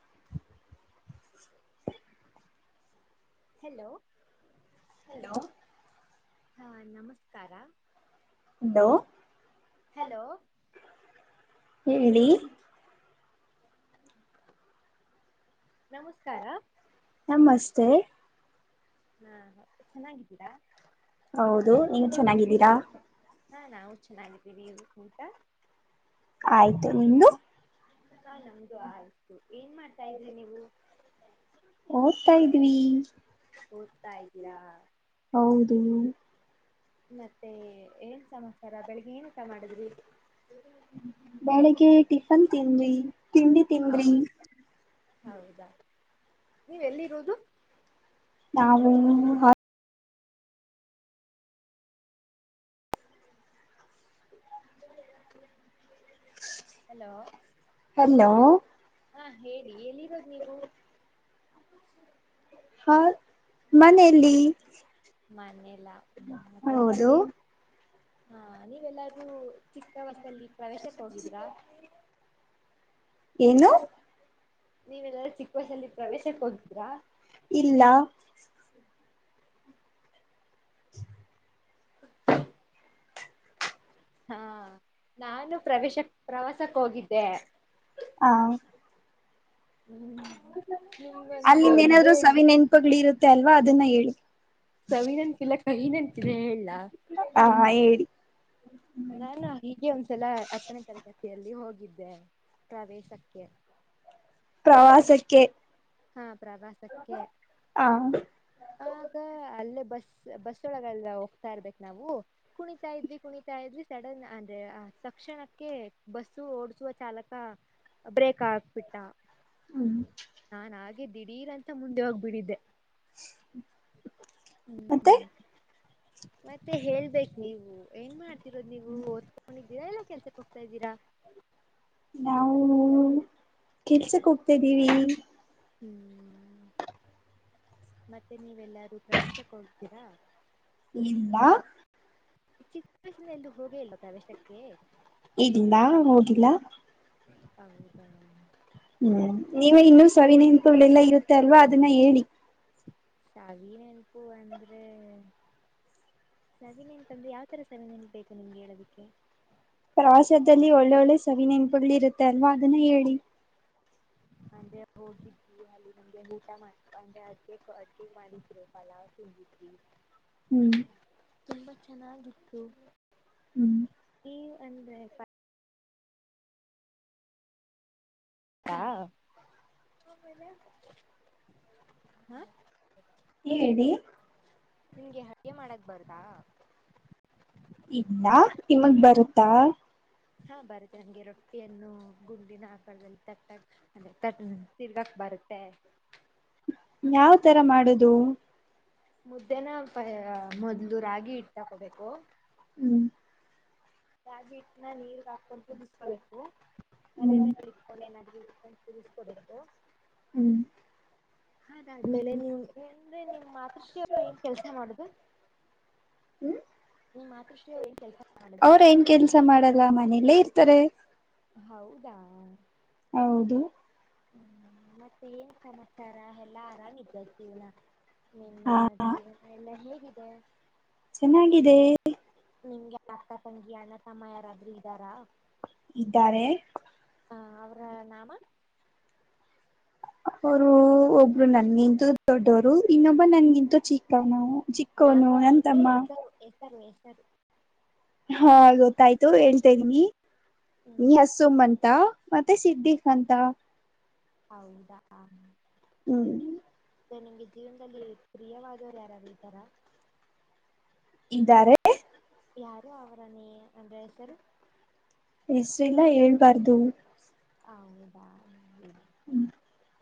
[inaudible] Hello? Hello? [inaudible] ಹಾ ನಮಸ್ಕಾರ? [inaudible] Hello? [inaudible] Hello? ಹೇಳಿ? [inaudible] ನಮಸ್ಕಾರಾ. [inaudible] ನಮಸ್ತೆ. [inaudible] ಹಾ ಚೆನ್ನಾಗಿದ್ದೀರಾ? [inaudible] ಹೌದು ನೀವ ಚೆನ್ನಾಗಿದ್ದೀರಾ? [inaudible] ಹ ನಾವು ಚೆನ್ನಾಗಿದ್ದೀವಿ ಊಟ? [inaudible] ಆಯ್ತು ನಿಮ್ದು? [inaudible] ಹಾ ನಮ್ದು ಆಯ್ತು ಏನ್ ಮಾಡ್ತಾ ಇದ್ರಿ ನೀವು? [inaudible] ಓದತಾ ಇದ್ದೀವಿ ಓದ್ತಾ ಇದ್ದೀರಾ ಹೌದು. [inaudible] ಮತ್ತೆ ಏನ್ ಸಮಾಚಾರ ಬೆಳಿಗ್ಗೆ ಏನ್ ಊಟ ಮಾಡಿದ್ರಿ? [inaudible] [unintelligible] ಬೆಳಿಗ್ಗೆ ಟಿಫನ್ ತಿಂದ್ದವಿ ತಿಂಡಿ ತಿಂದ್ದವಿ. [inaudible] ಹೌದಾ ನೀವು ಎಲ್ಲಿರುವುದು? [inaudible] ನಾವು ಹ [inaudible] ಹಲೋ? [inaudible] ಹಲೋ? ಹಾ ಹೇಳಿ ಎಲ್ಲಿ ಇರೋದ್ ನೀವು? [inaudible] ಹಾ ಮನೆ ಅಲ್ಲಿ. [inaudible] ಮನೆಯಲ್ಲ ಹೌದು ಅದಕ್ಕೆ ಹಾ ನೀವು ಎಲ್ಲರೂ [inaudible] ಚಿಕ್ಕ ವಯತಸ್ಸಲ್ಲಿ ಪ್ರವೇಶಕ್ ಹೋಗಿದ್ರಾ? [inaudible] ಏನು? ನೀವೆಲ್ಲರೂ ಚಿಕ್ಕ ವಯಸಲ್ಲಿ ಪ್ರವೇಶಕ್ ಹೋಗಿದೀರಾ? [inaudible] ಇಲ್ಲಾ? [inaudible] [inaudible] [inaudible] ಹಾ ನಾನು ಪ್ರವೇಶಕ್ಕ ಪ್ರವಾಸಕ್ಕೆ ಹೋಗಿದ್ದೆ. [inaudible] ಹಾ [inaudible] ಹೂ ನಿಮಗ ಒಂದ್ ಇದೇ [inaudible] ಗಳು ಇರುತ್ತೆ ಅಲ್ವಾ ಅದನ್ನ ಹೇಳಿ. ಸವಿ ನೆನ್ಪಿಲ್ಲ ಇಲ್ಲ ಕಹಿ ನೆನಪು ಇದೆ ಹೇಳಲ್ಲಾ. ಹಾ ಹಾ ಹೇಳಿ. ನಾನಾ ಹೀಗೆ ಒಂದ್ಸಲ ಹತ್ತನೇ ತರಗತಿಯಲ್ಲಿ ಹೋಗಿದ್ದೆ ಪ್ರವೇಶಕ್ಕೆ. ಪ್ರವಾಸಕ್ಕೆ. ಹಾ ಪ್ರವಾಸಕ್ಕೆ. ಹ ಆಗ ಅಲ್ಲೇ ಬಸ್ ಬಸ ಹೊಳಗಳಲ್ಲ ಹೋಗ್ತಾ ಇರ್ಬೇಕು ನಾವು. ಕುಣಿತಾ ಇದವಿ ಕುಣಿತಾ ಇದ್ ಸಡನ್ ಅಂದ್ರೆ ಆ ತಕ್ಷಣಕ್ಕೆ ಬಸ್ಸು ಓಡ್ಸುವ ಚಾಲಕ. ಬ್ರೇಕ್ ಹಾಕ್ಬಿಟ್ಟಾ. ಹ್ಮ್. ನಾನ್ ಹಾಗೆ ದಿಢೀರ್ ಅಂತ ಮುಂದೆ ಹೋಗ್ಬಿಡಿದ್ದೆ. [inaudible] ಮತ್ತೆ ಹ್ಮ ತ್ತೆ ಹೇಳ್ಬೇಕು ನೀವು ಏನ್ ಮಾಡ್ತಿರೋದು ನೀವು ಓದ್. ಮನೆಯಲ್ಲಿ ಇದೀರಾ ಇಲ್ಲ ಕೆಲ್ಸಕ್ಕೆ ಹೋಗ್ತಾದೀರಾ. ನಾವು ಕೆಲ್ಸಕ್ ಹೋಗ್ತಾದ್ದೀವಿ. ಹ್ಮ್. ಮತ್ತೆ ನೀವೆಲ್ಲಾರೂ ಪ್ರವೇಶಕ್ಕೆ ಹೋಗ್ತೀರಾ. ಇಲ್ಲಾ. ಚಿಕ್ಕ ವಯಸ್ಸಿನಲ್ಲೂ ಹೋಗೇ ಇಲ್ಲ ಪ್ರವೇಶಕ್ಕೆ. ಇಲ್ಲಾ ಹೋಗಿಲ್ಲ. ಹೌದಾ. ಹ್ಮ್ ನೀವ ಇನ್ನು ಸವಿ ನೆನೆಪುಗಳೆಲ್ಲಾ ಇರುತ್ತೆ ಅಲ್ವಾ ಅದನ್ನ ಹೇಳಿ. ಸಾವಿ ನೆನಪು ಅಂದ್ರೆ. ಸವಿ ನೆನಪುಂದ್ರೆ ಯಾವ್ ತರ ಸವಿನೆನ ಪು ಬೇಕು ನಿಮ್ಗೆ ಹೇಳೋದಕ್ಕೆ. ಪ್ರವಾಸದಲ್ಲಿ ಒಳ್ಳೊಳ್ಳೆ ಸವಿ ನೆನಪುಗಳ ಇರುತ್ತೆ ಅಲ್ವಾ ಅದನ್ನ ಹೇಳಿ. ಸಂಡೇ ಹೋಗಿದ್ಯಾವ. ಅಲ್ಲಿ ನಮಗೆ ಊಟ ಮಾಡಪ ಅಂದ್ರೆ ಅಡುಗೆ ಮಾಡಿದ್ರು ಪಲ್ಲವ ತಿಂದಿದ್ದವಿ. ಹ್ಮ್. ತುಂಬಾ ಚೆನ್ನಾಗಿತ್ತು. ಹ್ಮ. ನೀವ ಅಂದ್ರೆ. ಕಾ ಹಾ ಆಮೇಲೆ ಹಾ. ಹೇಳಿ. ನಿನ್ಗೆ ಅಡ್ಗೆ ಮಾಡಕ್ ಬರತ್ತ. ಇಲ್ಲ ನಿಮಗ್ ಬರುತ್ತಾ. ಹಾ ಬರತ್ತೆ ನನ್ಗೆ ರೊಟ್ಟಿಯನ್ನು ಗುಂಡಿನ ಆಕದಲ್ಲಿ ತಟ್ಟಾಗ. ಅದೇ ತಟಲಾ ತಿನ್ನಕ್ಕ ಬರುತ್ತೆ. ಯಾವ್ ತರ ಮಾಡುದು. ಮುದ್ದೇನ ಮೊದ್ಲು ರಾಗಿ ಇಟ್ಟ ತಕೊಬೇಕು. ಹಮ್. ರಾಗಿ ಇಟ್ಟನ ನೀರ್ಗ ಹಾಕೊಂಡು ಕುದಿಸಕೋಬೇಕು. ಪೊಣೆ ಹ್ಮ್ ಏನಾದರು ಇಟಕೊಂಡ ಕುದಸಕೊಬೇಕು. ಹ್ಮ್ ಅದಾದ್ಮೇಲೆ ನೀಮ್ ಅಂದ್ರೆ ನಿಮ್ ಮಾತೃಶ್ರೀ ಏನ್ ಕೆಲ್ಸ ಮಾಡದು. ಹ್ಮ್. ನಿಮ್ಮ್ ಮಾತೃಶ್ರೀಯ ಏನ್ ಕೆಲಸ ಮಾಡದು. ನ್ [unintelligible] ಕೆಲಸ ಮಾಡಲ್ಲ ಮನೆಯಲ್ಲೇ ಇರ್ತಾರೆ ಹೌದಾ ಹೌದು ಹ್ಮ್ ಮತ್ತೆ ಏನ್ ಸಮಾಚಾರ ಎಲ್ಲಾ ಆರಾಮ ಇದೈತೀವ್ನ ನಿಮ್ಮ ಹಾ ಜೀವನ ಎಲ್ಲ ಹೇಗಿದೆ ಚೆನ್ನಾಗಿದೆ ನಿನ್ ನಿಮ್ಗೆ ಅಕ್ಕ ತಂಗಿ ಅಣ್ಣ ತಮ್ಮ ಯಾರಾದ್ರೂ ಇದರಾ ಇದ್ದಾರೆ ಹ ಅವ್ರ ನಾಮ ಅವರು ಒಬ್ರು ನನ್ಗಿಂತ ದೊಡ್ಡವರು ಇನ್ನೊಬ್ಬ ನನ್ಗಿಂತೂ ಚಿಕ್ಕವ್ನು ಚಿಕ್ಕ ನಾಮ ಅಂದ್ರೆ ಹೆಸರು ಹೆಸರು ಹೆಸರು ಹಾ ಗೊತ್ತಾಯ್ತು ಹೇಳ್ತಾ ಇದೀನಿ ಹ್ಮ್ ನೀ ಸುಮಂತ ಮತ್ತೆ ಸಿದ್ದಿಫ್ ಅಂತ ಹೌದಾ ಹ್ಮ್ ಮತ್ತೆ ನಿಮ್ಗೆ ಜೀವನದಲ್ಲಿ ಪ್ರಿಯವಾದವರು ಯಾರಾದ್ರು ಇದರ ಇದ್ದಾರೆ ಯಾರು ಅವರನೇ ಅಂದ್ರ ಹೆಸರು ಹೆಸ್ರೇಲ್ಲಾ ಹೇಳ್ಬಾರ್ದು ಹೌದಾ ಹ್ಮ್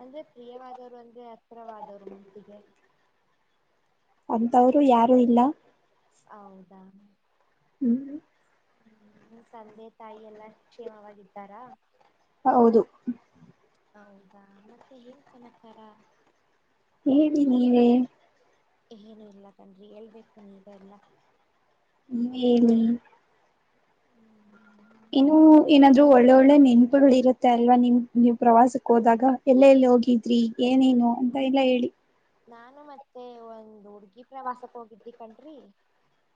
ಅಂದ್ರೆ ಪ್ರಿಯವಾದವರು ಅಂದ್ರೆ ಹತ್ರವಾದವರು ಮನ್ಸ್ಸಿಗೆ ಅಂತವ್ರು ಯಾರು ಇಲ್ಲ ಹೌದಾ ಹ್ಮ್ ಹ್ಮ್ ನಿಮ್ ತಂದೆ ತಾಯಿ ಎಲ್ಲಾ ಕ್ಷೇಮವಾಗಿದ್ದಾರಾ ಹೌದು ಹೌದಾ ಮತ್ತೆ ಏನ್ ಸಮಾಚಾರ ಹೇಳಿ ನೀವೆ ಏನು ಇಲ್ಲ ಕಣ್ರಿ ಹೇಳ್ಬೇಕು ನೀವೆ ಎಲ್ಲಾ ನೀವೇ ಹೇಳಿ ಹ್ಮ್ ಏನು ಏನಾದ್ರು ಒಳ್ಳೆ ಒಳ್ಳೆ ನೆನಪುಗಳು ಇರುತ್ತೆ ಅಲ್ವಾ ನಿಮ್ ನೀವ್ ಪ್ರವಾಸಕ್ ಹೋದಾಗ ಎಲ್ಲ ಎಲ್ಲಿ ಹೋಗಿದ್ರಿ ಏನೇನು ಅಂತ ಎಲ್ಲ ಹೇಳಿ ನಾನು ಮತ್ತೆ ಒಂದ ಹುಡ್ಗಿ ಪ್ರವಾಸಕ್ ಹೋಗಿದ್ವಿ ಕಣ್ರಿ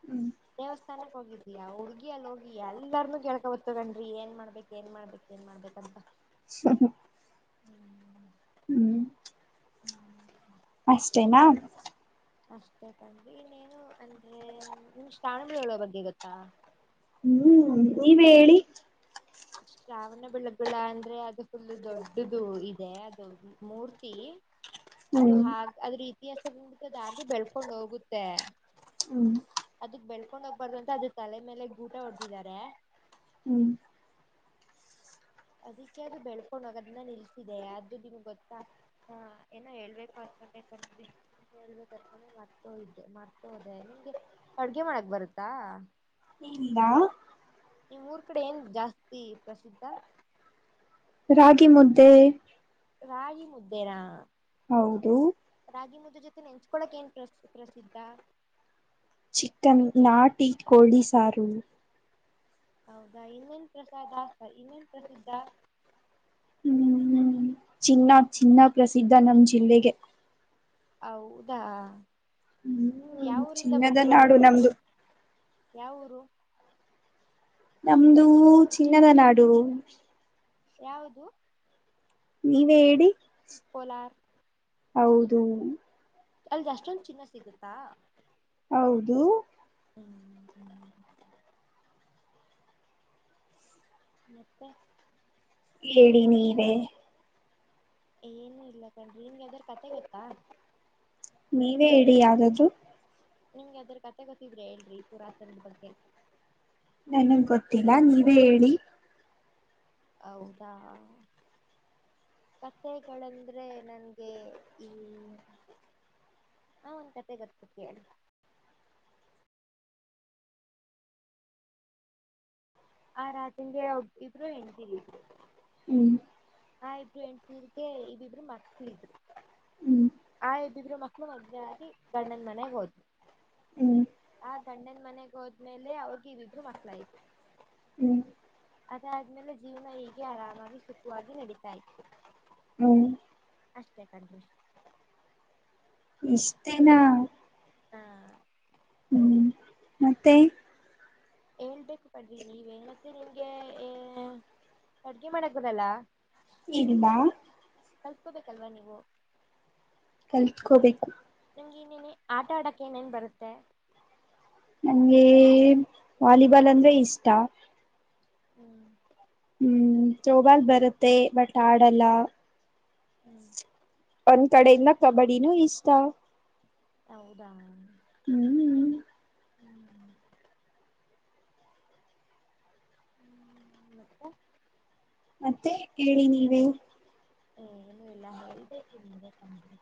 ಹ್ಮ್ ದೇವಸ್ಥಾನಕ್ಕೆ ಹೋಗಿದವಿ ಆ ಹುಡ್ಗಿ ಅಲ್ಲಿ ಹೋಗಿ ಎಲ್ಲಾರ್ನುೂ ಕೇಳ್ಕೊಬ ತು ಕಣ್ರೀ ಏನ್ ಮಾಡ್ಬೇಕು ಏನ್ ಮಾಡ್ಬೇಕು ಏನ್ ಮಾಡ್ಬೇಕಂತ ಹ್ಮ [unintelligible] ಹ್ಮ್ ಹ್ಮ್ ಅಷ್ಟೇನಾ ಅಷ್ಟೇ ಕಣ್ರೀ ಇನ್ನೇನು ಅಂದ್ರೆ ನಿಮ್ಗೆ ಶ್ರಾವಣ ಬೆಳೊಳ್ಳುವ ಬಗ್ಗೆ ಗೊತ್ತಾ ಹ್ಮ್ ನೀವೆ ಹೇಳಿ ಶ್ರಾವಣ ಬೆಳಗುಳ ಅಂದ್ರೆ ಅದು ಫುಲ್ಲು ದೊಡ್ಡದು ಇದೆ ಅದು ಮೂರ್ತಿ ಅದು ಹ್ಮ್ ಹ ಅದ್ರ ಇತಿಹಾಸ ಬಂದ್ಬಿಟ್ಟು ಅದು ಹಾಗೆ ಬೆಳ್ಕೊಂಡ್ ಹೋಗುತ್ತೆ ಹ್ಮ್ ಅದಕ್ ಬೆಳ್ಕೊಂಡ ಹೋಗಬಾರ್ದ ಅಂತ ಅದ ತಲೆ ಮೇಲೆ ಗೂಟ ಹೊಡೆದಿದ್ದಾರೆ ಹೂ ಅದ್ಕೆ ಅದು ಬೆಳ್ಕೊಂಡ ಹೋಗದನ್ನ ನಿಲ್ಸಿದೆ ಅದು ನಿಮ್ಗೆ ಗೊತ್ತಾ ಹಾ ಏನೋ ಹೇಳ್ಬೇಕು ಅನ್ಕೊಂಡೆನ್ರಿ ಹೇಳ್ಬೇಕರ್ಕಣೆ ಮರ್ತೋ ಇದ್ದೆ ಮರ್ತ ಹೋದೆ ನಿಮ್ಗೆ ಅಡ್ಗೆ ಮಾಡಕ್ ಬರುತ್ತಾ ಇಲ್ಲ ಈ್ ಊರ್ ಕಡೆ ಏನ್ ಜಾಸ್ತಿ ಪ್ರಸಿದ್ಧ ರಾಗಿ ಮುದ್ದೆ ರಾಗಿಿ ಮು್ದೇರಾ ಹೌದು ರಾಗಿ ಮುದ್ದ ಜೊತೆ ನೆನ್ಚ್ಕೊಳಕ್ ಏನ್ ಪ್ರಸ ಪ್ರಸಿದ್ಧ ಚಿಿಕನ್ ನಾಟಿ ಕೋಳಿ ಸಾರು ಹೌದಾ ಇನ್ನೇನ್ ಪ್ರಸಾದ ಇನ್ನೇನ್ ಪ್ರಸಿದ್ಧ ಹೂ ಚಿನ್ನ ಚಿನ್ನ ಪ್ರಸಿದ್ಧ ನಮ್ ಜಿಲ್ಲೆಗೆ ಹೌದಾ ನಿಮ್ ಹ್ಮ್ ಯಾವ ಊರಿಂದ ಚಿನ್ನದ ಬಂದಿರೋ ನಾಡು ನೀವು ನಮ್ದು ಯಾವ್ ಊರು ನಮ್ದ ಚಿನ್ನದ ನಾಡು ಯಾವುದು ನೀವೇ ಹೇಳಿ ಕೋಲಾರ್ ಹೌದು ಅಲ್ ಅಷ್ಟೊಂದ ಚಿನ್ನ ಸಿಗುತ್ತಾ ಹೌದು ಹೂ ಹೂ ಮತ್ತೆ ಹೇಳಿ ನೀವೇ ಏನು ಇಲ್ಲ ಕಂಡ್ರಿ ನಿನ್ಗೆ ಅದ್ರ ಕಥೆ ಗೊತ್ತಾ ನೀವೇ ಇಡಿ ಯಾವ್ದಾದೂ ನಿಮ್ಗೆ ಅದ್ರ ಕಥೆ ಗೊತಿದ್ರೆ ಎಲ್ರಿ ಪೂರಾತರದ ಬಗ್ಗೆ ನಂಗೆ ಗೊತ್ತಿಲ್ಲ ನೀವೇ ಹೇಳಿ ಹೌದಾ ಕಥೆಗಳಂದ್ರೆ ನನ್ಗೆ ಈ ಹಾ ಒಂದ್ ಕಥೆ ಗೊತ್ತ ಕೇಳಿ ಆ ರಾಜಂದ ಒಬ್ ಇಬ್ರು ಹೆಣ್ದೀರಿ ಇದ್ರು ಹೂ ಹಾ ಇಬ್ರು ಎಣ್ಟೀರ್ಗೆ ಇ ಇಬ್ರು ಮಕ್ಕಳ ಇದ್ರು ಹ್ಮ್ ಆ್್ರ ಮ ಮಗ್ ಆಗ ಗಂಡನ ಮನೆಗ್ ಹೋದ್ರು ಹ್ಮ್ ಆ ಗಂಡನ ಮನೆಗೆ ಹೋದ್ ಆಮೇಲೆ ಅವ್ರಾಗ ಇದಿದ್ರು ಮಕ್ಳ ಐತು ಹೂ ಅದಾದ್ಮೇಲೆ ಜೀವನ ಹೀಗೆ ಆರಾಮಾಗಿ ಸುಖವಾಗಿ ನಡೀತಾ ಇತ್ತು ಹ್ಮ್ ಅಷ್ಟೇ ಕಂಡ್ರ ಇಷ್ಟೇನ ಹಾ ಹೂ ಮತ್ತೆ ಹೇಳ್ಬೇಕು ಪಡ್ರಿ ನೀವೇ ಮತ್ತೆ ನಿಮ್ಗೆ ಎ ಅಡ್ಗೆ ಮಾಡಕ್ ಬರಲ್ಲ ಇಲ್ಲ.... ಕಲ್ಕೋಬೇಕಲ್ವಾ ನೀವು. ಕಲ್ತ್ಕೋಬೇಕು. ನಿಮ್ಗೆ ಇನ್ನೇನೆ ಆಟ ಆಡಕ್ ಏನೇನ್ ಬರುತ್ತೆ. ನಂಗೆ [inaudible] ವಾಲಿಬಾಲ್ ಅಂದ್ರೆ ಇಷ್ಟ. ಹ್ಮ್ ಹ್ಮ್ ತ್ರೋಬಾಲ್ ಬರುತ್ತೆ ಬಟ್ ಆಡಲ್ಲ ಹ್ಮ್ ಒಂದ್ ಕಡೆಯಿಂದ ಕಬಡ್ಡಿನೂ ಇಷ್ಟ. ಹೌದಾ ಹ್ಮ್ ಹ್ಮ್ ಹ್ಮ್ ಮತ್ತೆ ಮತ್ತೆ ಹೇಳಿ ನೀವೆ ಏ ಏನು ಎಲ್ಲಾ ಹೇಳ್ಬೇಕು ನೀವೇ ತಂತು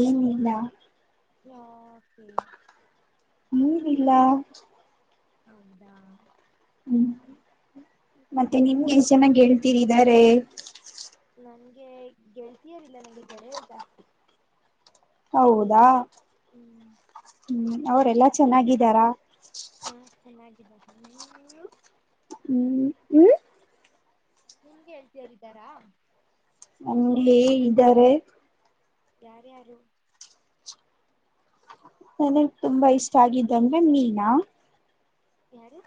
ಏನಿಲ್ಲ.. [inaudible] ಹ್ಮ್ ನೀವ ಇಲ್ಲ ಹೌದಾ ಹ್ಮ್ [inaudible] ಮತ್ತೆ ಹ್ಮ್ ನಿಮ್ಗೆ ಎಷ್ಟ ಜನ ಗೆಳತಿರಿ ಇದ್ದರೆ ನಂಗೆ ಗೆಳ್ತಿಯರಿಲ್ಲ ನಂಗೆ ಗೆಳೆಯರು ಜಾಸ್ತಿ ಹೌದಾ ಹು ಹ್ಮ್ ಅವರೆಲ್ಲಾ ಚೆನ್ನಾಗಿದ್ದಾರಾ. ಹು ಚೆನ್ನಾಗಿದ್ದ ನೀವೂ ಹು ಹ್ಮ ನಿಮ್ಗೆಳ್ತೀಯರಿದ್ದಾರ ನಮಗೆ ಇದ್ದಾರೆ ಯಾರ ಯಾರು ನನಗ್ ತುಂಬಾ ಇಷ್ಟ ಆಗಿದ್ದಂದ್ರೆ ಮೀನಾ. ಯಾರು